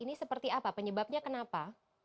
ini seperti apa penyebabnya kenapa